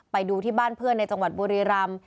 ไปดูที่บ้านเพื่อนในจังหวัดบุรีรำ